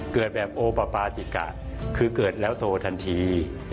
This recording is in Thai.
เกิดแบบโอปาปาติกะคือเกิดแล้วโตทันที